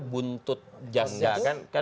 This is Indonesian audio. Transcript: buntut jasnya itu